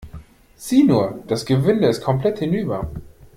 Sieh nur, das Gewinde ist komplett hinüber.